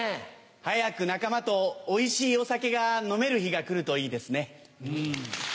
早く仲間とおいしいお酒が飲める日が来るといいですね。